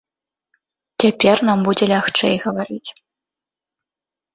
Цяпер нам будзе лягчэй гаварыць.